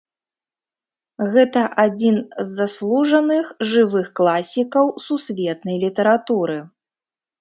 Гэта адзін з заслужаных жывых класікаў сусветнай літаратуры.